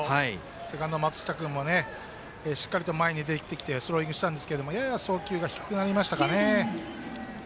セカンドの松下君もしっかりと前に出てきてスローイングしたんですがやや送球が低くなりましたかね。